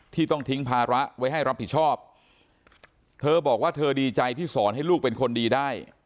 ที่ต้องทิ้งภาระไว้ให้รับผิดชอบเธอบอกว่าเธอดีใจที่สอนให้ลูกเป็นคนดีได้